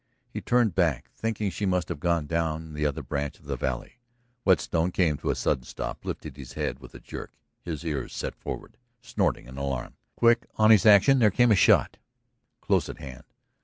He turned back, thinking she must have gone down the other branch of the valley. Whetstone came to a sudden stop, lifted his head with a jerk, his ears set forward, snorting an alarm. Quick on his action there came a shot, close at hand.